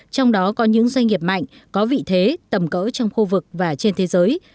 trong đó có những doanh nghiệp mạnh có vị thế tầm cỡ trong khu vực và trên thế giới